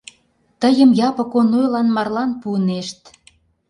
Тыйым Япык Онойлан марлан пуынешт...